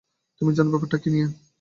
তুমি জানো ব্যাপারটা কী নিয়ে।